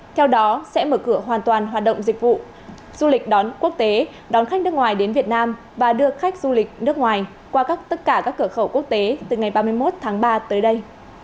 theo đó sẽ mở cửa hoàn toàn hoạt động dịch vụ du lịch đón quốc tế đón khách nước ngoài đến việt nam và đưa khách du lịch nước ngoài qua tất cả các cửa khẩu quốc tế từ ngày ba mươi một tháng ba tới đây